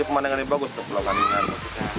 itu pemandangan yang bagus untuk pulau kanyungan